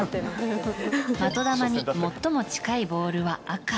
的球に最も近いボールは赤。